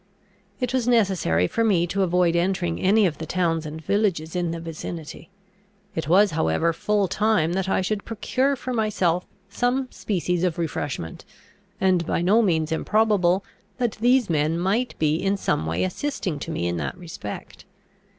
It was necessary for me to avoid entering any of the towns and villages in the vicinity. It was however full time that I should procure for myself some species of refreshment, and by no means improbable that these men might be in some way assisting to me in that respect.